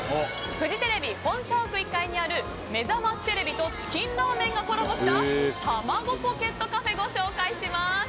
フジテレビ本社屋１階にある「めざましテレビ」とチキンラーメンがコラボしたたまごポケットカフェご紹介します。